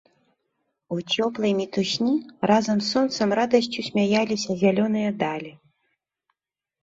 У цёплай мітусні разам з сонцам радасцю смяяліся зялёныя далі.